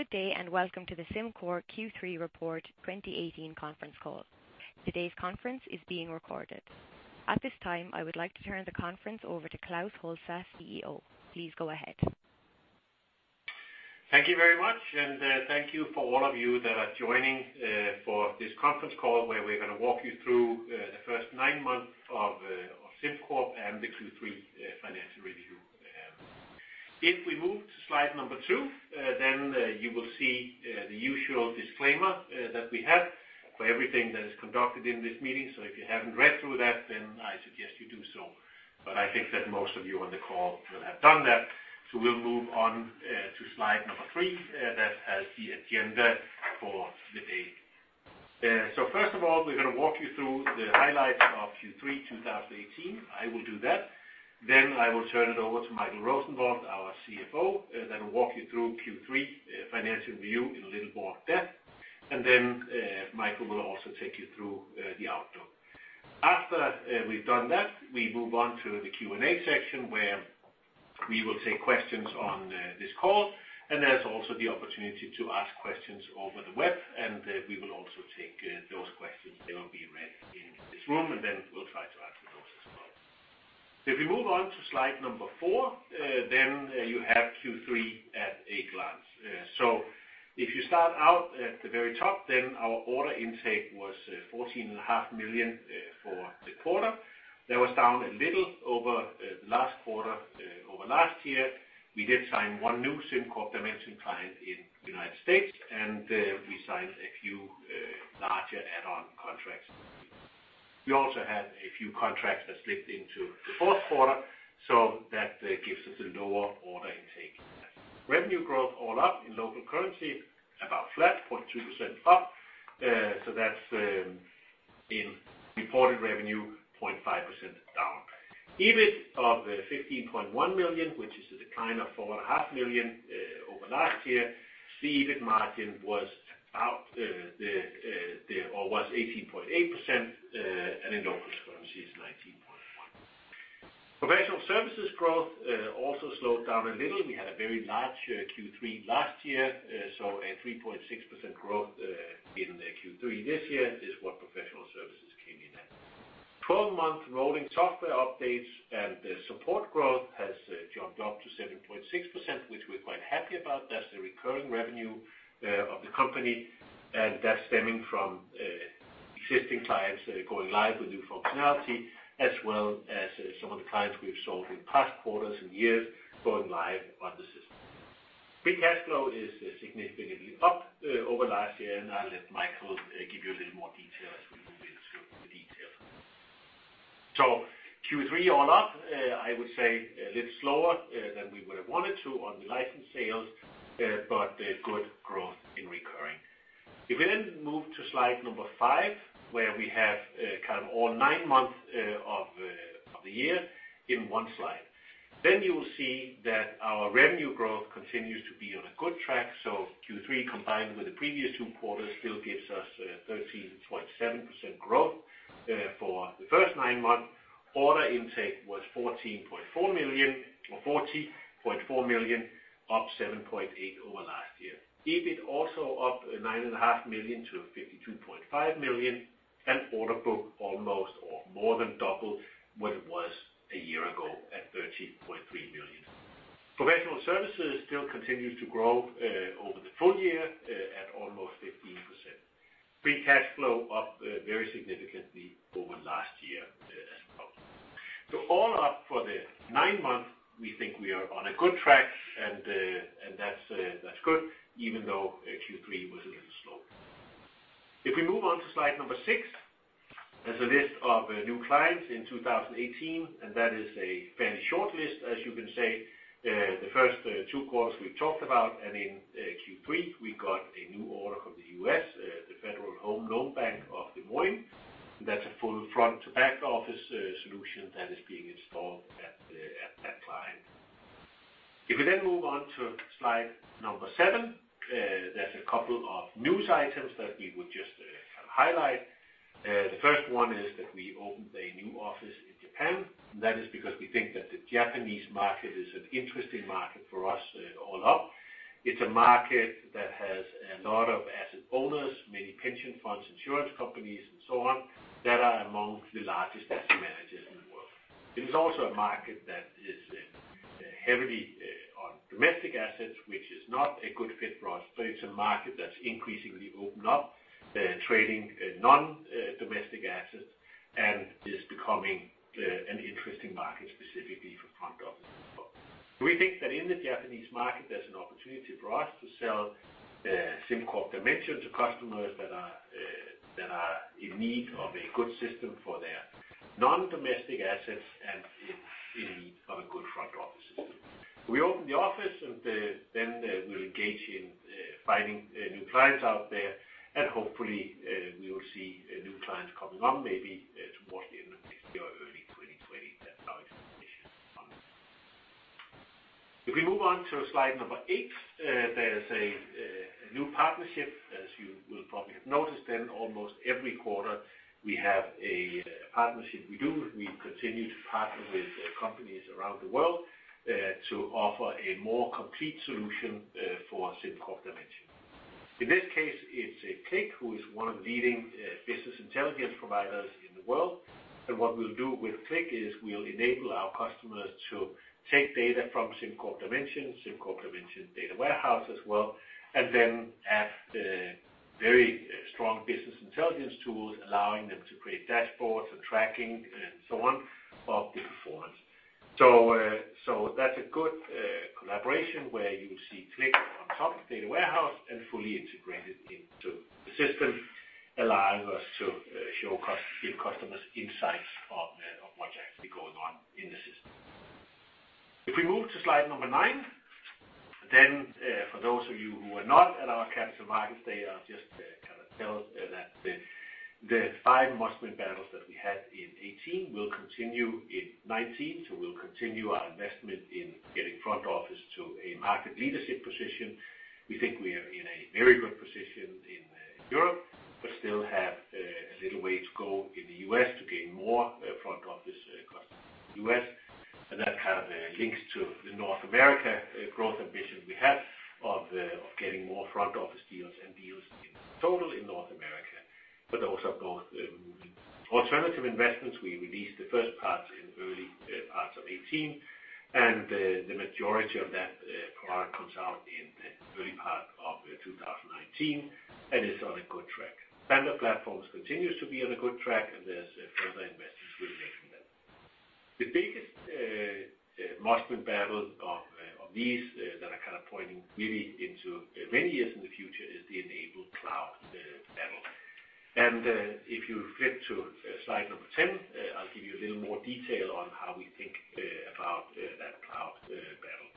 Good day and welcome to the SimCorp Q3 Report 2018 conference call. Today's conference is being recorded. At this time, I would like to turn the conference over to Klaus Holse, CEO. Please go ahead. Thank you very much. Thank you for all of you that are joining for this conference call, where we're going to walk you through the first nine months of SimCorp and the Q3 financial review. If we move to slide number two, you will see the usual disclaimer that we have for everything that is conducted in this meeting. If you haven't read through that, I suggest you do so. I think that most of you on the call will have done that. We'll move on to slide number three, that has the agenda for the day. First of all, we're going to walk you through the highlights of Q3 2018. I will do that. I will turn it over to Michael Rosenvold, our CFO, that'll walk you through Q3 financial review in a little more depth. Michael will also take you through the outlook. After we've done that, we move on to the Q&A section where we will take questions on this call, there's also the opportunity to ask questions over the web, we will also take those questions. They will be read in this room, we'll try to answer those as well. If we move on to slide number four, you have Q3 at a glance. If you start out at the very top, our order intake was 14.5 million for the quarter. That was down a little over last quarter, over last year. We did sign one new SimCorp Dimension client in the U.S., we signed a few larger add-on contracts. We also had a few contracts that slipped into the fourth quarter, that gives us a lower order intake. Revenue growth all up in local currency, about flat, 0.2% up. That's in reported revenue, 0.5% down. EBIT of 15.1 million, which is a decline of 4.5 million over last year. C-EBIT margin was 18.8%. In local currency is 19.1%. Professional services growth also slowed down a little. We had a very large Q3 last year. A 3.6% growth in Q3 this year is what professional services came in at. Twelve-month rolling software updates and support growth has jumped up to 7.6%, which we're quite happy about. That's the recurring revenue of the company, that's stemming from existing clients going live with new functionality as well as some of the clients we've sold in past quarters and years going live on the system. Free cash flow is significantly up over last year, I'll let Michael give you a little more detail as we move into the details. Q3 all up, I would say a little slower than we would have wanted to on the license sales, but good growth in recurring. We move to slide number five, where we have all nine months of the year in one slide. You will see that our revenue growth continues to be on a good track. Q3 combined with the previous two quarters still gives us 13.7% growth for the first nine months. Order intake was 40.4 million, up 7.8% over last year. EBIT also up 9.5 million to 52.5 million and order book almost or more than double what it was a year ago at 30.3 million. Professional services still continues to grow over the full year at almost 15%. Free cash flow up very significantly over last year as well. All up for the nine months, we think we are on a good track and that's good even though Q3 was a little slow. We move on to slide number six, there's a list of new clients in 2018, and that is a fairly short list, as you can see. The first two quarters we've talked about, and in Q3, we got a new order from the U.S., the Federal Home Loan Bank of Des Moines. That's a full front to back office solution that is being installed at that client. We move on to slide number seven, there's a couple of news items that we would just highlight. The first one is that we opened a new office in Japan. That is because we think that the Japanese market is an interesting market for us all up. It's a market that has a lot of asset owners, many pension funds, insurance companies, and so on, that are among the largest asset managers in the world. It is also a market that is heavily on domestic assets, which is not a good fit for us. It's a market that's increasingly opened up trading non-domestic assets and is becoming an interesting market specifically for front office. We think that in the Japanese market, there's an opportunity for us to sell SimCorp Dimension to customers that are in need of a good system for their non-domestic assets and in need of a good front-office system. We opened the office, we'll engage in finding new clients out there, hopefully we will see new clients coming on maybe towards the end of this year or early 2020. That's our expectation. We move on to slide number eight, there's a new partnership. You will probably have noticed then almost every quarter we have a partnership we do. We continue to partner with companies around the world to offer a more complete solution for SimCorp Dimension. In this case, it's Qlik, who is one of the leading business intelligence providers in the world. What we'll do with Qlik is we'll enable our customers to take data from SimCorp Dimension, SimCorp Dimension data warehouse as well, and then have very strong business intelligence tools allowing them to create dashboards and tracking, and so on, of the performance. That's a good collaboration where you will see Qlik on top of the data warehouse and fully integrated into the system, allowing us to give customers insights of what's actually going on in the system. If we move to slide number nine, for those of you who were not at our capital markets day, I'll just kind of tell that the five must-win battles that we had in 2018 will continue in 2019. We'll continue our investment in getting front office to a market leadership position. We think we are in a very good position in Europe, but still have a little way to go in the U.S. to gain more front office customers in the U.S. That kind of links to the North America growth ambition we have of getting more front office deals and deals in total in North America. Also of course, moving alternative investments. We released the first parts in early parts of 2018, and the majority of that product comes out in the early part of 2019 and is on a good track. Vendor platforms continues to be on a good track, and there's further investments we're making there. The biggest must-win battle of these that are kind of pointing really into many years in the future is the enable cloud battle. If you flip to slide 10, I'll give you a little more detail on how we think about that cloud battle.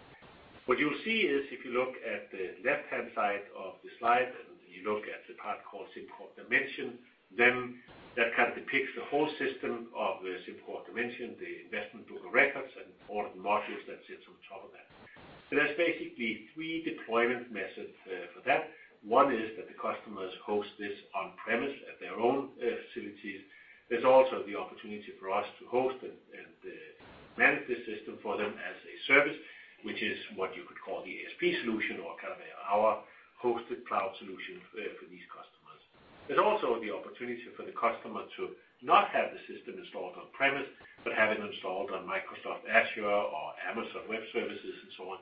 What you'll see is if you look at the left-hand side of the slide, and you look at the part called SimCorp Dimension, that kind of depicts the whole system of SimCorp Dimension, the Investment Book of Records, and all of the modules that sits on top of that. There's basically three deployment methods for that. One is that the customers host this on-premise at their own facilities. There's also the opportunity for us to host and manage the system for them as a service, which is what you could call the ASP solution or kind of our hosted cloud solution for these customers. There's also the opportunity for the customer to not have the system installed on-premise, but have it installed on Microsoft Azure or Amazon Web Services and so on,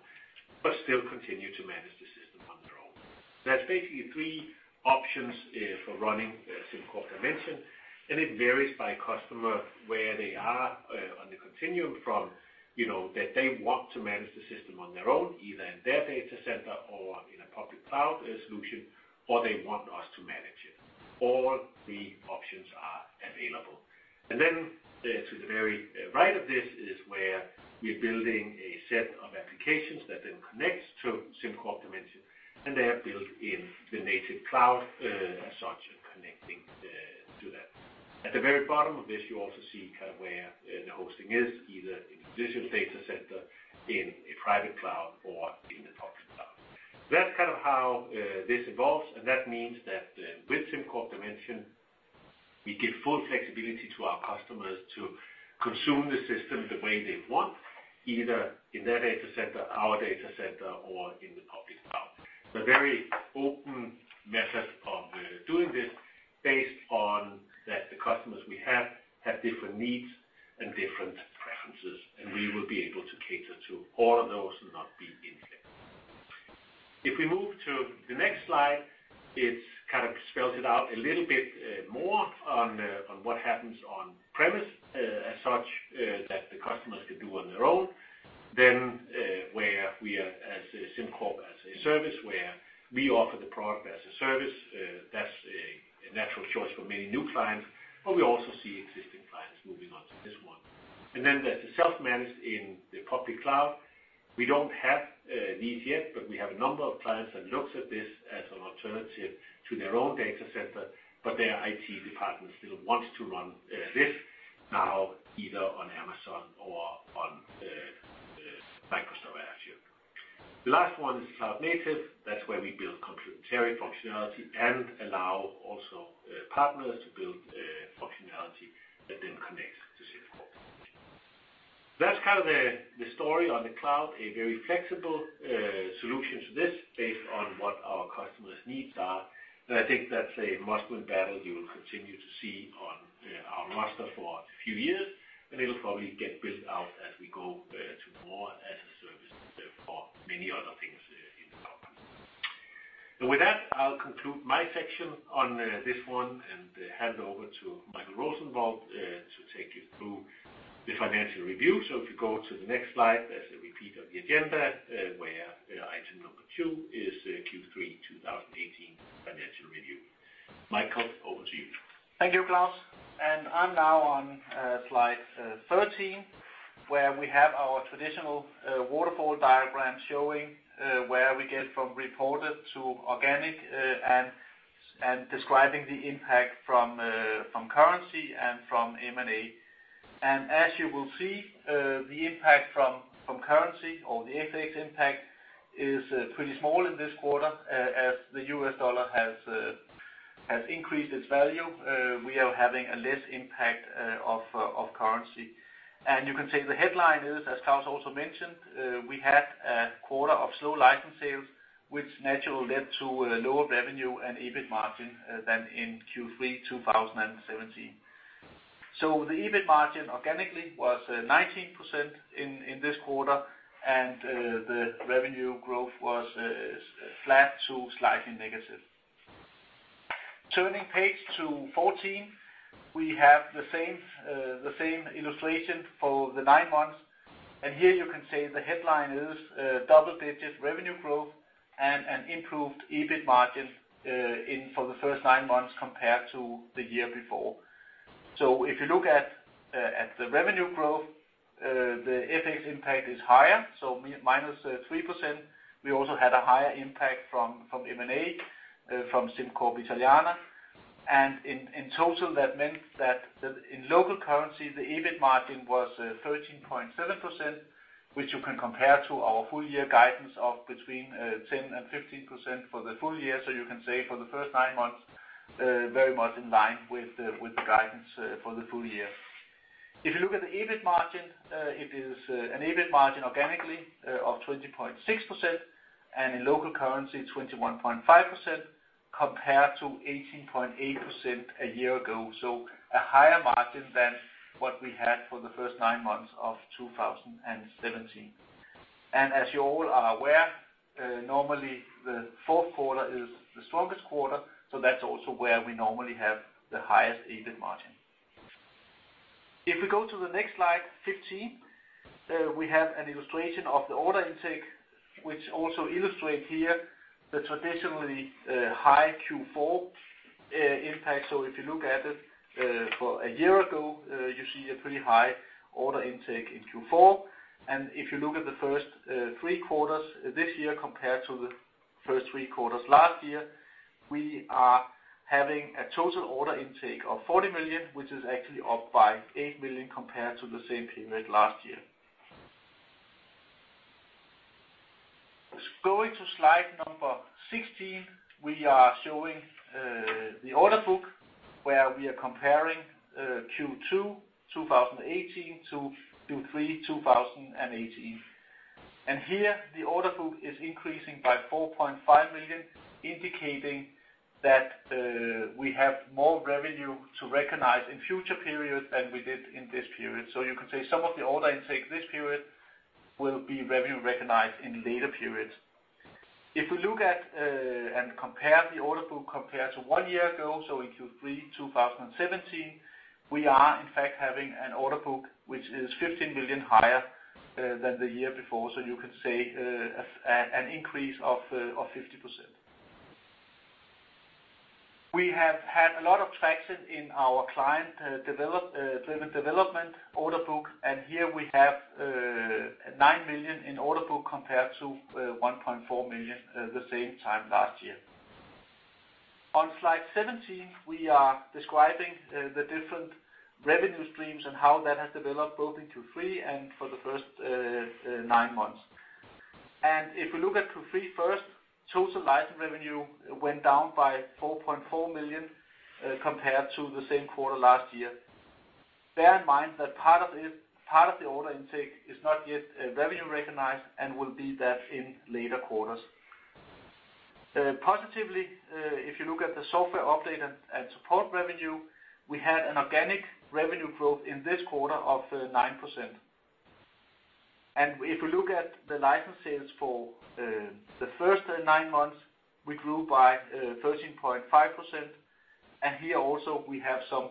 but still continue to manage the system on their own. That's basically three options for running SimCorp Dimension, and it varies by customer where they are on the continuum from, that they want to manage the system on their own, either in their data center or in a public cloud solution, or they want us to manage it. All three options are available. To the very right of this is where we're building a set of applications that then connects to SimCorp Dimension, and they are built in the native cloud as such, and connecting to that. At the very bottom of this, you also see kind of where the hosting is, either in a digital data center, in a private cloud, or in the public cloud. That's kind of how this evolves, and that means that with SimCorp Dimension, we give full flexibility to our customers to consume the system the way they want, either in their data center, our data center, or in the public cloud. It's a very open method of doing this based on that the customers we have different needs and different preferences, and we will be able to cater to all of those and not be inflexible. If we move to the next slide, it's kind of spelled it out a little bit more on what happens on-premise as such that the customers could do on their own. Where we as SimCorp as-a-service, where we offer the product as a service, that's a natural choice for many new clients. But we also see existing clients moving on to this one. Then there's the self-managed in the public cloud. We don't have these yet, but we have a number of clients that looks at this as an alternative to their own data center, but their IT department still wants to run this now either on Amazon or on Microsoft Azure. The last one is cloud native. That's where we build complementary functionality and allow also partners to build functionality that then connects to SimCorp Dimension. That's kind of the story on the cloud, a very flexible solution to this based on what our customers' needs are. I think that's a must-win battle you will continue to see on our roster for a few years, and it'll probably get built out as we go to more as-a-service for many other things in the cloud. With that, I'll conclude my section on this one and hand over to Michael Rosenvold to take you through the financial review. If you go to the next slide, that's a repeat of the agenda, where item number 2 is Q3 2018 financial review. Michael, over to you. Thank you, Klaus. I'm now on slide 13, where we have our traditional waterfall diagram showing where we get from reported to organic, and describing the impact from currency and from M&A. As you will see, the impact from currency or the FX impact is pretty small in this quarter, as the US dollar has increased its value. We are having a less impact of currency. You can say the headline is, as Klaus also mentioned, we had a quarter of slow license sales, which naturally led to a lower revenue and EBIT margin than in Q3 2017. The EBIT margin organically was 19% in this quarter, and the revenue growth was flat to slightly negative. Turning page to 14, we have the same illustration for the nine months. Here you can say the headline is double digits revenue growth and an improved EBIT margin in for the first nine months compared to the year before. If you look at the revenue growth, the FX impact is higher, so -3%. We also had a higher impact from M&A, from SimCorp Italiana. In total, that meant that in local currency, the EBIT margin was 13.7%, which you can compare to our full year guidance of between 10% and 15% for the full year. You can say for the first nine months, very much in line with the guidance for the full year. If you look at the EBIT margin, it is an EBIT margin organically of 20.6% and in local currency 21.5%, compared to 18.8% a year ago. A higher margin than what we had for the first nine months of 2017. As you all are aware, normally the fourth quarter is the strongest quarter, so that's also where we normally have the highest EBIT margin. If we go to slide 15, we have an illustration of the order intake, which also illustrate here the traditionally high Q4 impact. If you look at it for a year ago, you see a pretty high order intake in Q4. If you look at the first three quarters this year compared to the first three quarters last year, we are having a total order intake of 40 million, which is actually up by 8 million compared to the same period last year. Going to slide 16, we are showing the order book where we are comparing Q2 2018 to Q3 2018. Here the order book is increasing by 4.5 million, indicating that we have more revenue to recognize in future periods than we did in this period. You can say some of the order intake this period will be revenue recognized in later periods. If we look at and compare the order book compared to one year ago, in Q3 2017, we are in fact having an order book which is 15 million higher than the year before. You could say an increase of 50%. We have had a lot of traction in our client-driven development order book. Here we have 9 million in order book compared to 1.4 million the same time last year. On slide 17, we are describing the different revenue streams and how that has developed both in Q3 and for the first nine months. If we look at Q3 first, total license revenue went down by 4.4 million compared to the same quarter last year. Bear in mind that part of the order intake is not yet revenue recognized and will be that in later quarters. Positively, if you look at the software update and support revenue, we had an organic revenue growth in this quarter of 9%. If we look at the license sales for the first nine months, we grew by 13.5%. Here also we have some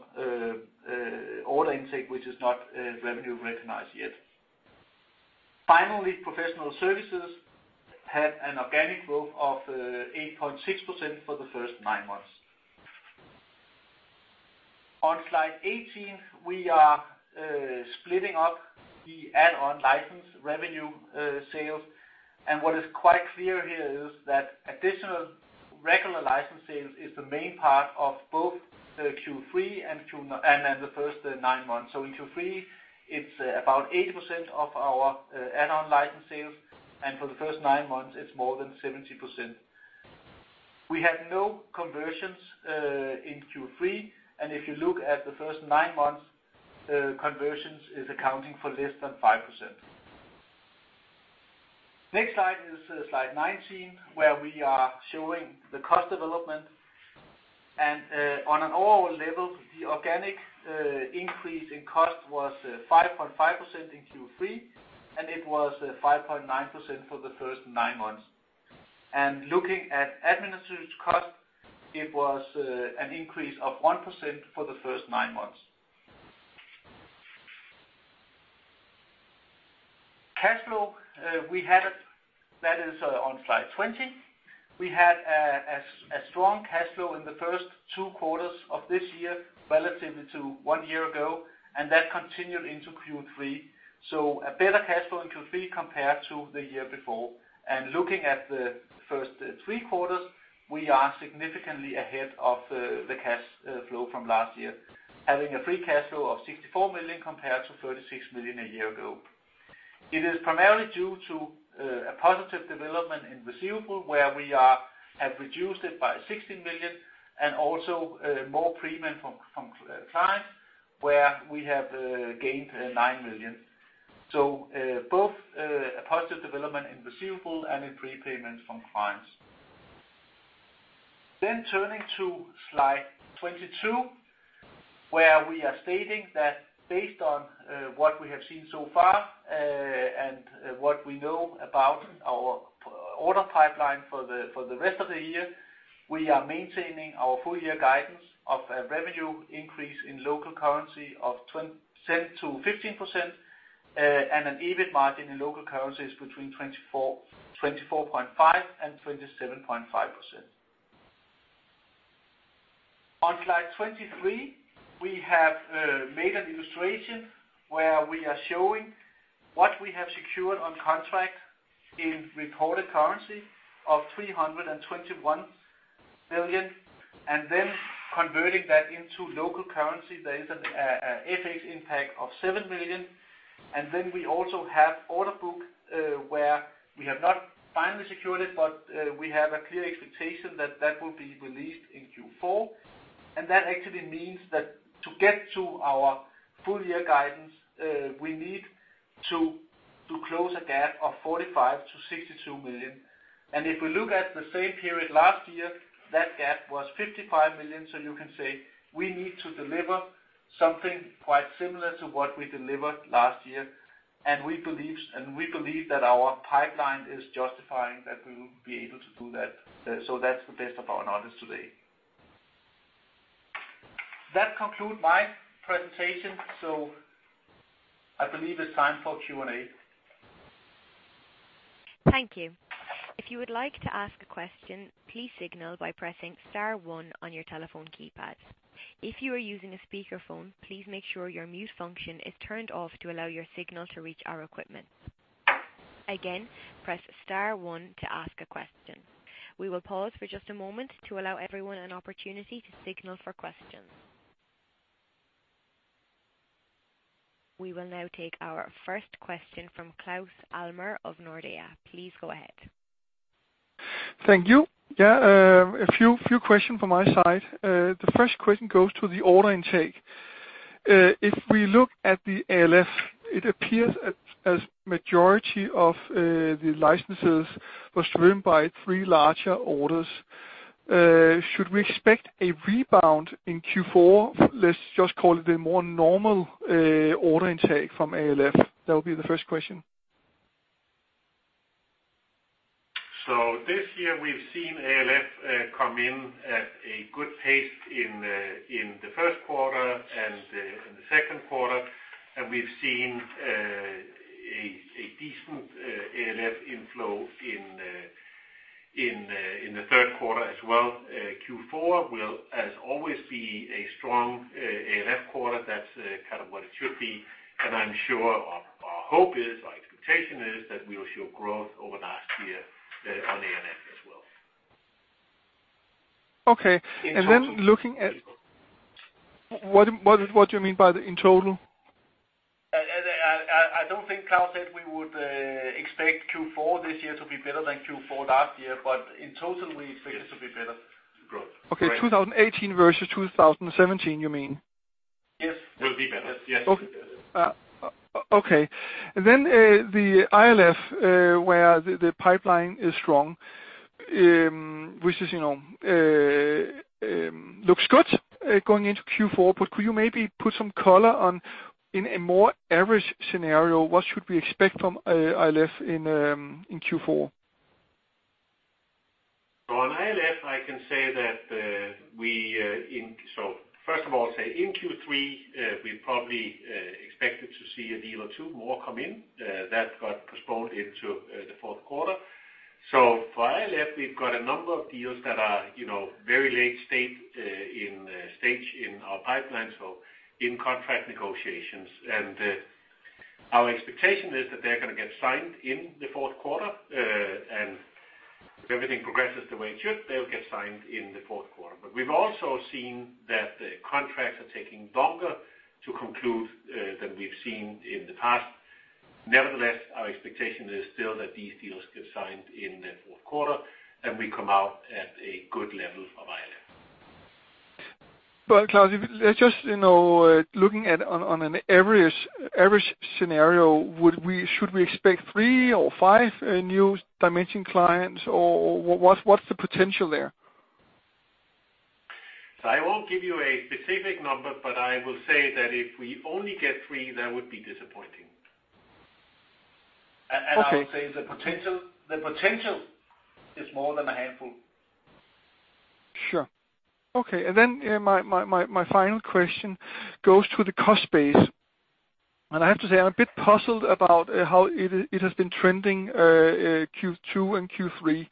order intake, which is not revenue recognized yet. Finally, professional services had an organic growth of 8.6% for the first nine months. On slide 18, we are splitting up the add-on license revenue sales. What is quite clear here is that additional regular license sales is the main part of both the Q3 and then the first nine months. In Q3, it's about 80% of our add-on license sales. For the first nine months, it's more than 70%. We had no conversions in Q3. If you look at the first nine months, conversions is accounting for less than 5%. Next slide is slide 19, where we are showing the cost development. On an overall level, the organic increase in cost was 5.5% in Q3, and it was 5.9% for the first nine months. Looking at administrative cost, it was an increase of 1% for the first nine months. Cash flow, we had it. That is on slide 20. We had a strong cash flow in the first two quarters of this year relative to one year ago. That continued into Q3. A better cash flow in Q3 compared to the year before. Looking at the first three quarters, we are significantly ahead of the cash flow from last year, having a free cash flow of 64 million compared to 36 million a year ago. It is primarily due to a positive development in receivable, where we have reduced it by 16 million, and also more prepayment from clients, where we have gained 9 million. Both a positive development in receivable and in prepayments from clients. Turning to slide 22, where we are stating that based on what we have seen so far and what we know about our order pipeline for the rest of the year, we are maintaining our full year guidance of a revenue increase in local currency of 7%-15%, and an EBIT margin in local currency is between 24.5% and 27.5%. On slide 23, we have made an illustration where we are showing what we have secured on contract in reported currency of 321 million, and then converting that into local currency. There is an FX impact of 7 million. We also have order book, where we have not finally secured it, but we have a clear expectation that will be released in Q4. That actually means that to get to our full year guidance, we need to close a gap of 45 million-62 million. If we look at the same period last year, that gap was 55 million, you can say we need to deliver something quite similar to what we delivered last year. We believe that our pipeline is justifying that we will be able to do that. That's the best of our knowledge today. That conclude my presentation, I believe it's time for Q&A. Thank you. If you would like to ask a question, please signal by pressing star one on your telephone keypads. If you are using a speakerphone, please make sure your mute function is turned off to allow your signal to reach our equipment. Again, press star one to ask a question. We will pause for just a moment to allow everyone an opportunity to signal for questions. We will now take our first question from Claus Almer of Nordea. Please go ahead. Thank you. Yeah, a few questions from my side. The first question goes to the order intake. If we look at the ALF, it appears as majority of the licenses was driven by three larger orders. Should we expect a rebound in Q4, let's just call it a more normal order intake from ALF? That would be the first question. This year we've seen ALF come in at a good pace in the first quarter and the second quarter, and we've seen a decent ALF inflow in the third quarter as well. Q4 will, as always, be a strong ALF quarter. That's kind of what it should be. I'm sure, our hope is, our expectation is that we'll show growth over last year on ALF as well. Okay. In total. What do you mean by in total? I don't think, Claus, that we would expect Q4 this year to be better than Q4 last year, but in total, we expect it to be better. Okay. 2018 versus 2017, you mean? Yes. Will be better. Yes. Okay. The ILF, where the pipeline is strong, which looks good going into Q4, but could you maybe put some color on, in a more average scenario, what should we expect from ILF in Q4? On ILF, I can say that we, first of all, say in Q3, we probably expected to see a deal or two more come in. That got postponed into the fourth quarter. For ILF, we've got a number of deals that are very late stage in our pipeline, in contract negotiations. Our expectation is that they're going to get signed in the fourth quarter, and if everything progresses the way it should, they'll get signed in the fourth quarter. We've also seen that contracts are taking longer to conclude than we've seen in the past. Nevertheless, our expectation is still that these deals get signed in the fourth quarter, and we come out at a good level for ILF. Claus, if let's just looking at on an average scenario, should we expect three or five new Dimension clients, or what's the potential there? I won't give you a specific number, but I will say that if we only get three, that would be disappointing. Okay. I would say the potential is more than a handful. Sure. Okay. Then my final question goes to the cost base. I have to say, I'm a bit puzzled about how it has been trending Q2 and Q3.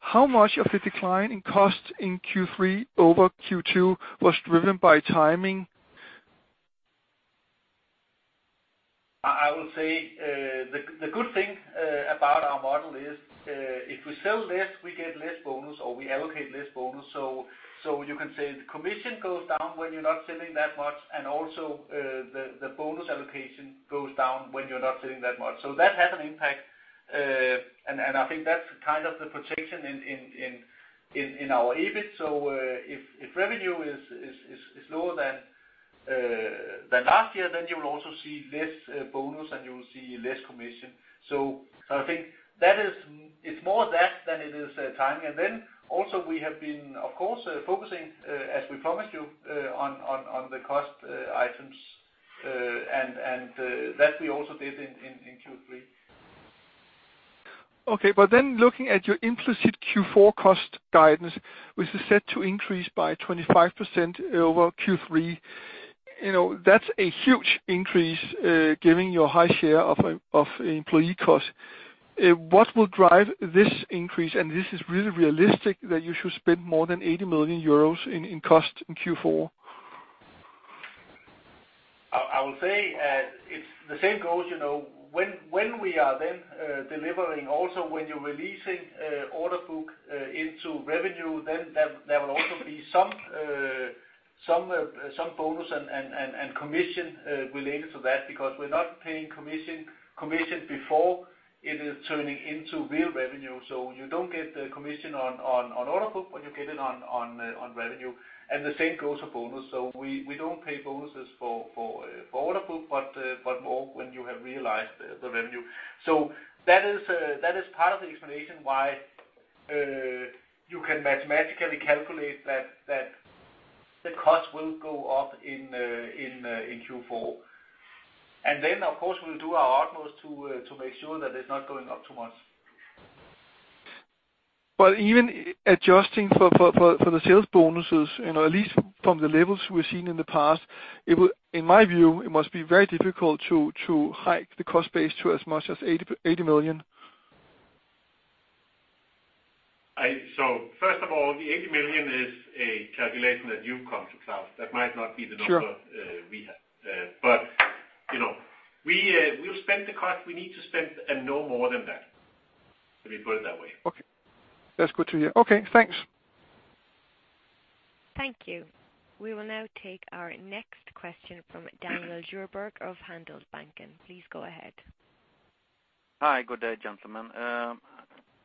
How much of the decline in cost in Q3 over Q2 was driven by timing? I will say, the good thing about our model is. If we sell less, we get less bonus or we allocate less bonus. You can say the commission goes down when you're not selling that much, and also the bonus allocation goes down when you're not selling that much. That has an impact, and I think that's kind of the protection in our EBIT. If revenue is lower than last year, you will also see less bonus, and you will see less commission. I think it's more that than it is timing. Also we have been, of course, focusing, as we promised you, on the cost items, and that we also did in Q3. Okay. Then looking at your implicit Q4 cost guidance, which is set to increase by 25% over Q3, that's a huge increase, given your high share of employee costs. What will drive this increase? Is this really realistic that you should spend more than 80 million euros in cost in Q4? I will say it's the same goals. When we are then delivering, also when you're releasing order book into revenue, there will also be some bonus and commission related to that because we're not paying commission before it is turning into real revenue. You don't get the commission on order book, but you get it on revenue, and the same goes for bonus. We don't pay bonuses for order book but more when you have realized the revenue. That is part of the explanation why you can mathematically calculate that the cost will go up in Q4. Of course, we'll do our utmost to make sure that it's not going up too much. Even adjusting for the sales bonuses, at least from the levels we've seen in the past, in my view, it must be very difficult to hike the cost base to as much as 80 million. First of all, the 80 million is a calculation that you've come to, Claus. That might not be the number- Sure we have. We'll spend the cost we need to spend and no more than that. Let me put it that way. Okay. That's good to hear. Okay, thanks. Thank you. We will now take our next question from Daniel Sjöberg of Handelsbanken. Please go ahead. Hi. Good day, gentlemen.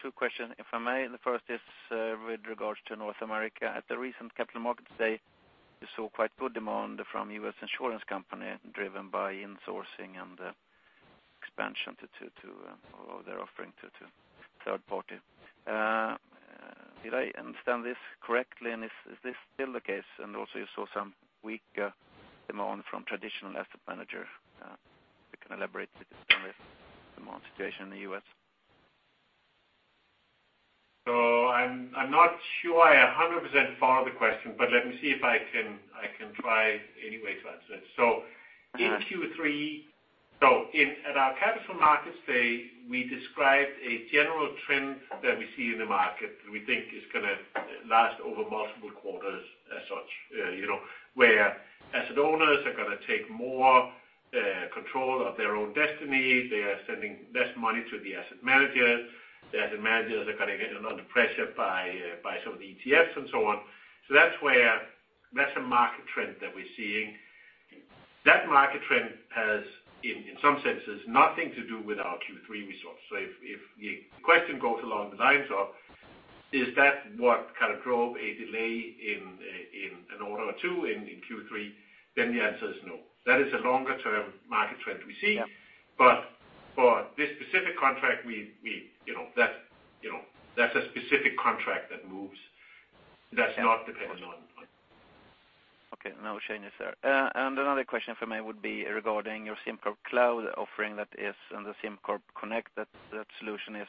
Two questions, if I may. The first is with regards to North America. At the recent Capital Markets Day, you saw quite good demand from U.S. insurance company driven by insourcing and expansion to their offering to third party. Did I understand this correctly, and is this still the case? You saw some weak demand from traditional asset managers. If you can elaborate on this demand situation in the U.S. I'm not sure I 100% follow the question, let me see if I can try anyway to answer it. At our Capital Markets Day, we described a general trend that we see in the market that we think is going to last over multiple quarters as such where asset owners are going to take more control of their own destiny. They are sending less money to the asset managers. The asset managers are going to get under pressure by some of the ETFs and so on. That's a market trend that we're seeing. That market trend has, in some senses, nothing to do with our Q3 results. If the question goes along the lines of, is that what kind of drove a delay in an order or two in Q3? The answer is no. That is a longer-term market trend we see. Yeah. For this specific contract, that's a specific contract that moves. Okay. No changes there. Another question for me would be regarding your SimCorp Cloud offering that is on the SimCorp Connect, that solution is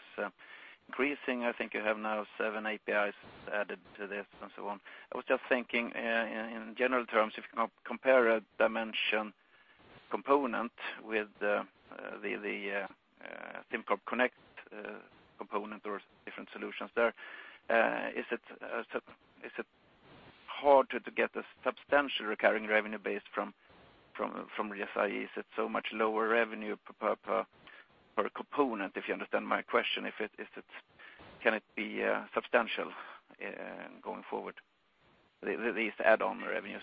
increasing. I think you have now seven APIs added to this and so on. I was just thinking, in general terms, if you can compare a Dimension component with the SimCorp Connect component or different solutions there, is it hard to get a substantial recurring revenue base from the FIEs at so much lower revenue per component, if you understand my question. Can it be substantial going forward? These add-on revenues.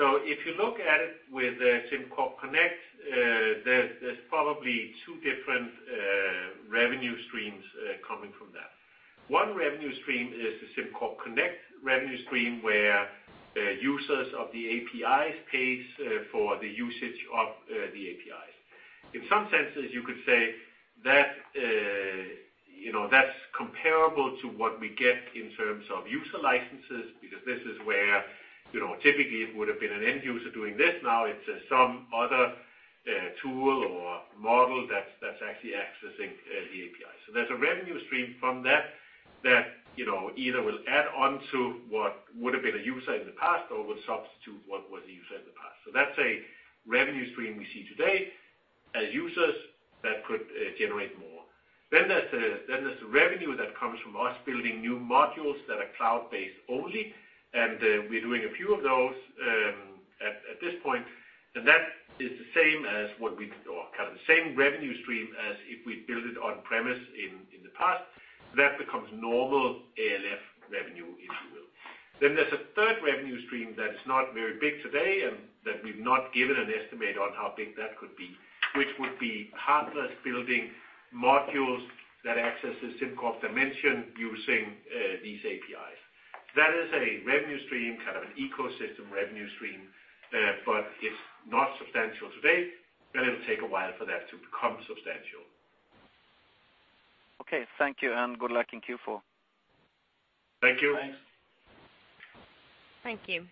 Yeah. If you look at it with SimCorp Connect, there's probably two different revenue streams coming from that. One revenue stream is the SimCorp Connect revenue stream, where users of the APIs pays for the usage of the APIs. In some senses, you could say that's comparable to what we get in terms of user licenses, because this is where typically it would have been an end user doing this. Now it's some other tool or model that's actually accessing the API. There's a revenue stream from that either will add on to what would have been a user in the past or will substitute what was a user in the past. That's a revenue stream we see today as users that could generate more. There's the revenue that comes from us building new modules that are cloud-based only, and we're doing a few of those at this point. That is the same revenue stream as if we built it on-premise in the past. That becomes normal ALF revenue, if you will. There's a third revenue stream that's not very big today, and that we've not given an estimate on how big that could be, which would be partners building modules that access the SimCorp Dimension using these APIs. That is a revenue stream, kind of an ecosystem revenue stream. It's not substantial today, and it'll take a while for that to become substantial. Okay. Thank you, and good luck in Q4. Thank you. Thanks. Thank you.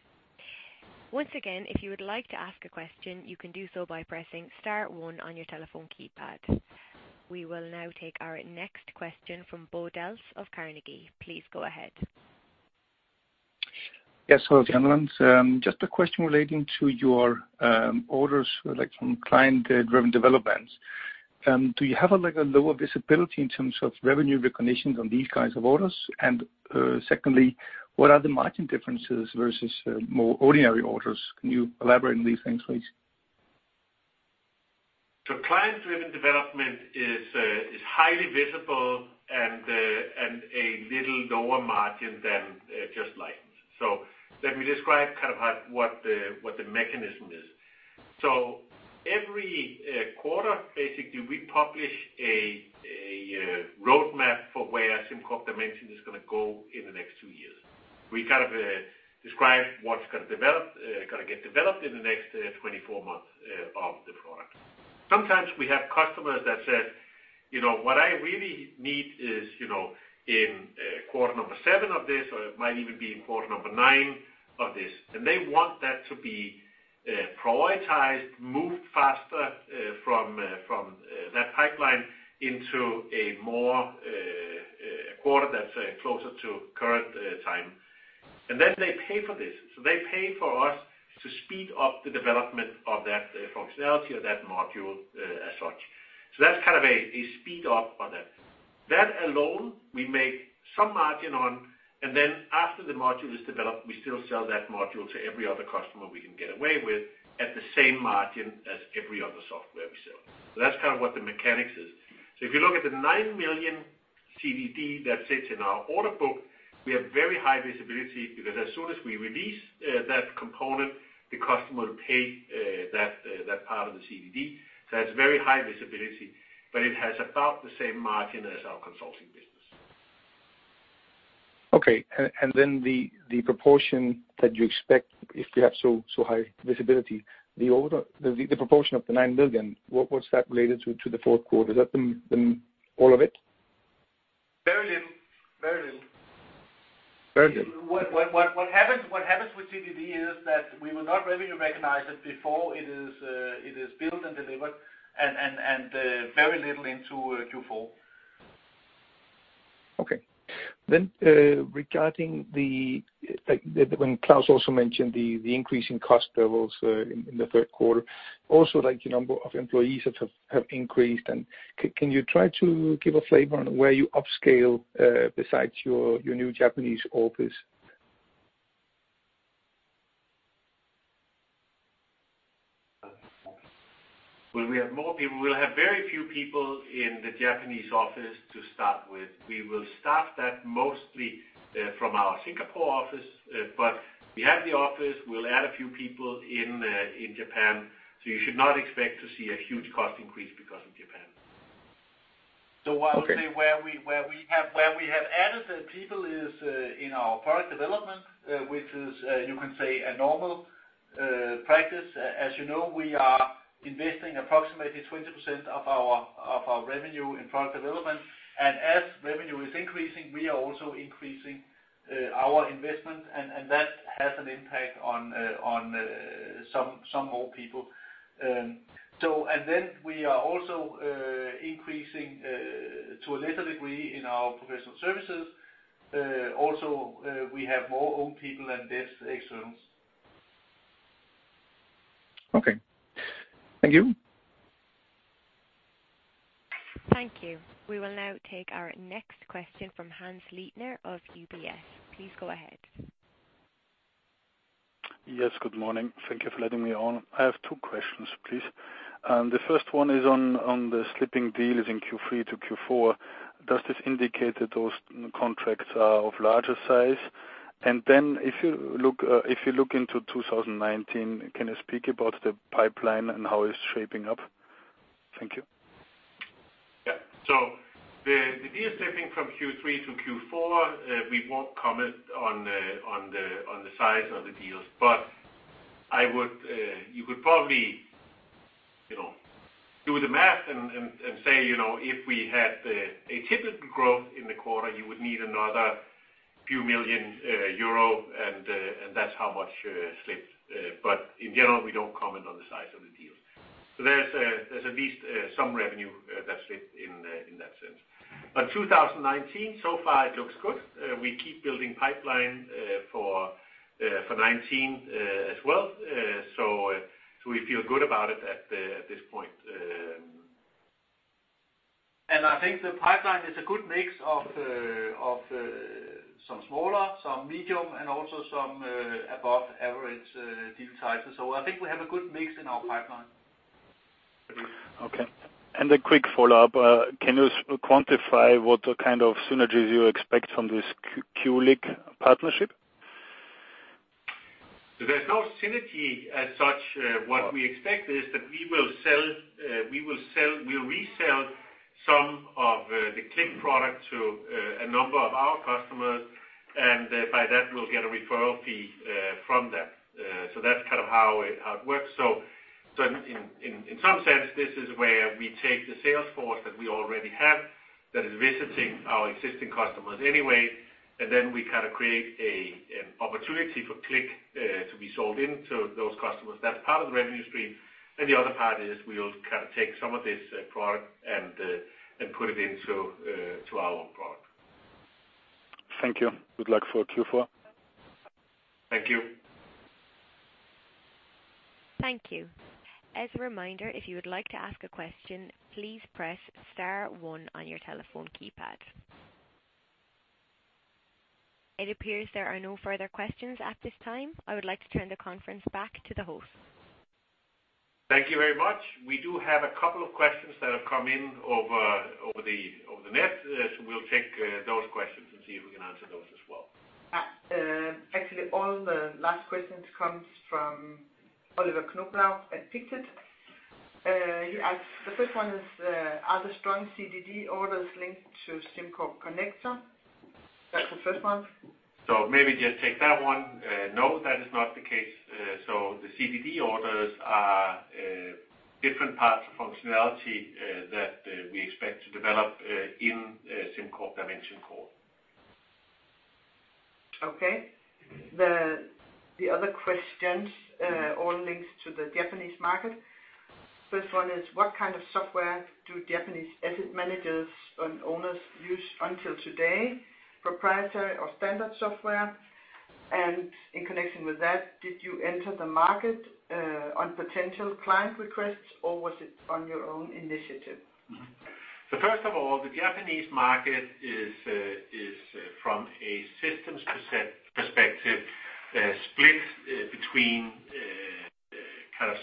Once again, if you would like to ask a question, you can do so by pressing star one on your telephone keypad. We will now take our next question from Bo Dals of Carnegie. Please go ahead. Yes. Hello, gentlemen. Just a question relating to your orders, like from client-driven developments. Do you have a lower visibility in terms of revenue recognition on these kinds of orders? Secondly, what are the margin differences versus more ordinary orders? Can you elaborate on these things, please? Client-driven development is highly visible and a little lower margin than just licensed. Let me describe kind of what the mechanism is. Every quarter, basically, we publish a roadmap for where SimCorp Dimension is going to go in the next two years. We kind of describe what's going to get developed in the next 24 months of the product. Sometimes we have customers that say, "What I really need is in quarter number 7 of this," or it might even be, "In quarter number 9 of this." They want that to be prioritized, moved faster from that pipeline into a quarter that's closer to current time. They pay for this. They pay for us to speed up the development of that functionality or that module as such. That's kind of a speed-up on that. That alone, we make some margin on. After the module is developed, we still sell that module to every other customer we can get away with, at the same margin as every other software we sell. That's kind of what the mechanics is. If you look at the 9 million CDD that sits in our order book, we have very high visibility because as soon as we release that component, the customer will pay that part of the CDD. It's very high visibility, but it has about the same margin as our consulting business. Okay. The proportion that you expect if you have so high visibility, the proportion of the 9 million, what's that related to the fourth quarter? Is that all of it? Very little. Very little. What happens with CDD is that we will not revenue recognize it before it is built and delivered, and very little into Q4. Okay. Regarding when Claus also mentioned the increase in cost levels in the third quarter, also like the number of employees that have increased, and can you try to give a flavor on where you upscale besides your new Japanese office? Well, we have very few people in the Japanese office to start with. We will staff that mostly from our Singapore office. We have the office. We will add a few people in Japan. You should not expect to see a huge cost increase because of Japan. Okay. I would say where we have added people is in our product development, which is, you can say, a normal practice. As you know, we are investing approximately 20% of our revenue in product development. As revenue is increasing, we are also increasing our investment, and that has an impact on some more people. Then we are also increasing, to a lesser degree, in our professional services. Also, we have more own people than this excellence. Okay. Thank you. Thank you. We will now take our next question from Hannes Leitner of UBS. Please go ahead. Yes, good morning. Thank you for letting me on. I have two questions, please. The first one is on the slipping deals in Q3 to Q4. Does this indicate that those contracts are of larger size? Then if you look into 2019, can you speak about the pipeline and how it is shaping up? Thank you. Yeah. The deal slipping from Q3 to Q4, we won't comment on the size of the deals. You could probably do the math and say if we had a typical growth in the quarter, you would need another few million EUR, and that's how much slipped. In general, we don't comment on the size of the deals. There's at least some revenue that slipped in that sense. 2019, so far, it looks good. We keep building pipeline for 2019 as well. We feel good about it at this point. I think the pipeline is a good mix of some smaller, some medium, and also some above average deal sizes. I think we have a good mix in our pipeline. Okay. A quick follow-up. Can you quantify what kind of synergies you expect from this Qlik partnership? There's no synergy as such. What we expect is that we will resell some of the Qlik product to a number of our customers, and by that, we'll get a referral fee from them. That's kind of how it works. In some sense, this is where we take the sales force that we already have that is visiting our existing customers anyway, and then we create an opportunity for Qlik to be sold into those customers. That's part of the revenue stream, and the other part is we'll take some of this product and put it into our own product. Thank you. Good luck for Q4. Thank you. Thank you. As a reminder, if you would like to ask a question, please press star one on your telephone keypad. It appears there are no further questions at this time. I would like to turn the conference back to the host. Thank you very much. We do have a couple of questions that have come in over the net. We'll take those questions and see if we can answer those as well. Actually, all the last questions come from Oliver Knobloch at SEB. He asked, the first one is, are the strong CDD orders linked to SimCorp Connector? That's the first one. Maybe just take that one. No, that is not the case. The CDD orders are different parts of functionality that we expect to develop in SimCorp Dimension core. Okay. The other questions all link to the Japanese market. First one is, what kind of software do Japanese asset managers and owners use until today, proprietary or standard software? In connection with that, did you enter the market on potential client requests, or was it on your own initiative? First of all, the Japanese market is from a systems perspective, split between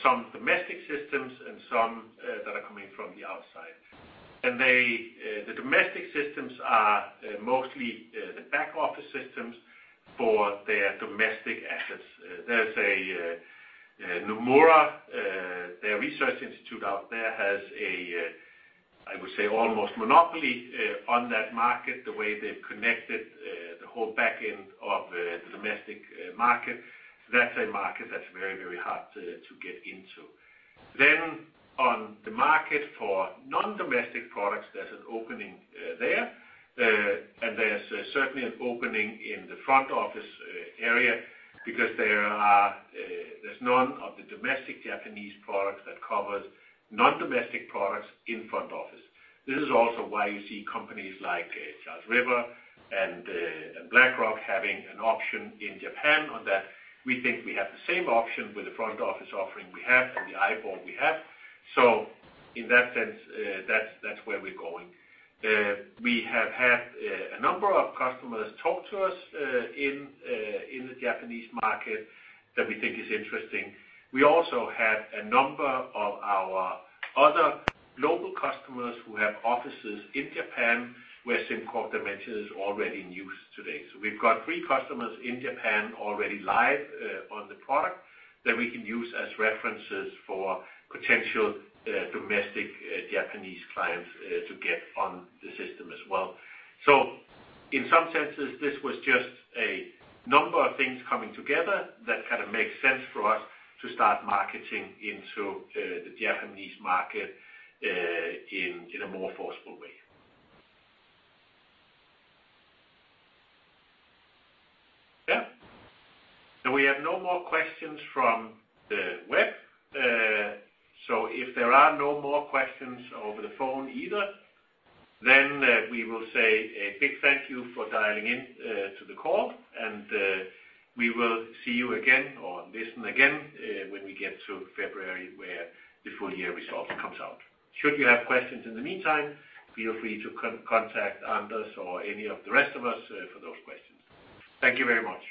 some domestic systems and some that are coming from the outside. The domestic systems are mostly the back office systems for their domestic assets. There's a Nomura Research Institute out there has a, I would say, almost monopoly on that market, the way they've connected the whole back end of the domestic market. That's a market that's very hard to get into. On the market for non-domestic products, there's an opening there. There's certainly an opening in the front office area because there's none of the domestic Japanese products that covers non-domestic products in front office. This is also why you see companies like Charles River and BlackRock having an option in Japan on that. We think we have the same option with the front office offering we have and the IBOR we have. In that sense, that's where we're going. We have had a number of customers talk to us in the Japanese market that we think is interesting. We also have a number of our other global customers who have offices in Japan where SimCorp Dimension is already in use today. We've got three customers in Japan already live on the product that we can use as references for potential domestic Japanese clients to get on the system as well. In some senses, this was just a number of things coming together that kind of makes sense for us to start marketing into the Japanese market in a more forceful way. Yeah. We have no more questions from the web. If there are no more questions over the phone either, then we will say a big thank you for dialing in to the call, and we will see you again or listen again when we get to February where the full year results comes out. Should you have questions in the meantime, feel free to contact Anders or any of the rest of us for those questions. Thank you very much.